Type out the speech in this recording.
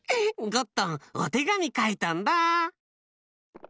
ゴットンおてがみかいたんだ。